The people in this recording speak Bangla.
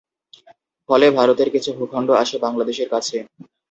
ফলে ভারতের কিছু ভূখণ্ড আসে বাংলাদেশের কাছে।